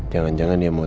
jangan jangan dia mau